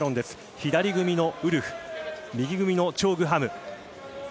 左組みのウルフ右組みのチョ・グハム。